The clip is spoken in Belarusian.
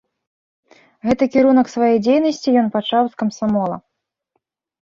Гэты кірунак свае дзейнасці ён пачаў з камсамола.